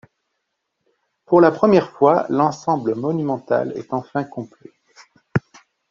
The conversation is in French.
Pour la première fois, l'ensemble monumental est enfin complet.